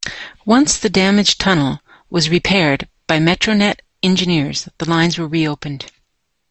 Once the damaged tunnel was repaired by Metronet engineers, the lines were reopened.